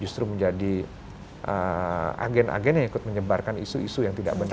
justru menjadi agen agen yang ikut menyebarkan isu isu yang tidak benar